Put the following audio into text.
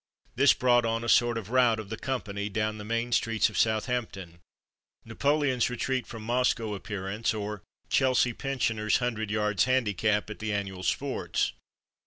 This brought on a sort of rout of the company down the main streets of Southampton — Napoleon's retreat from Moscow appearance, or "Chelsea Pen sioners' hundred yards handicap at the annual sports."